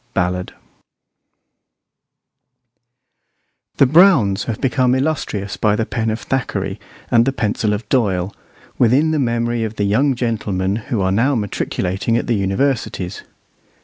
Ballad The Browns have become illustrious by the pen of Thackeray and the pencil of Doyle, within the memory of the young gentlemen who are now matriculating at the universities.